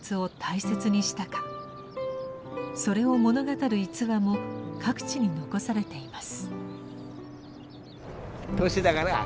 それを物語る逸話も各地に残されています。